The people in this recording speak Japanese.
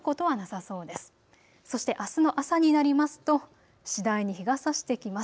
そして、あすの朝になりますと次第に日がさしてきます。